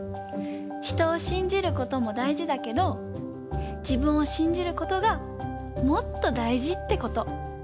人を信じることもだいじだけどじぶんを信じることがもっとだいじってこと。